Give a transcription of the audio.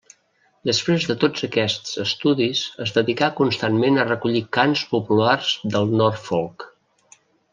Després de tots aquests estudis, es dedicà constantment a recollir cants populars del Norfolk.